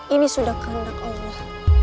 ini sudah kehendak allah